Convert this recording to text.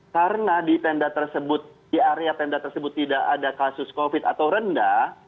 karena di area tenda tersebut tidak ada kasus covid atau rendah